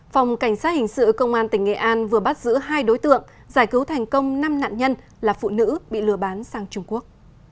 phòng cảnh sát hình sự công an tỉnh nghệ an vừa bắt giữ hai đối tượng giải cứu thành công năm nạn nhân là phụ nữ bị lừa bán sang trung quốc